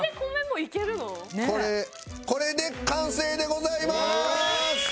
これで完成でございます！